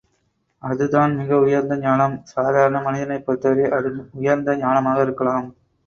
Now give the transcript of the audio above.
அதுதான் மிக உயர்ந்த ஞானம்! சாதாரண மனிதனைப் பொறுத்தவரை அது உயர்ந்த ஞானமாக இருக்கலாம்.